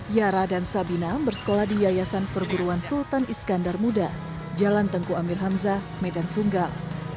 yara dan sabina bersekolah di yayasan perguruan sultan iskandar muda jalan tengku amir hamzah medan sunggal